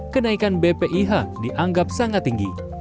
kenaikan bpih dianggap sangat tinggi